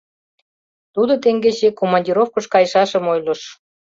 Тудо теҥгече командировкыш кайышашым ойлыш.